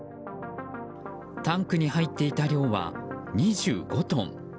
タンクに入っていた量は２５トン。